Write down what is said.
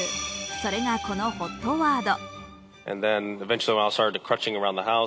それがこのＨＯＴワード。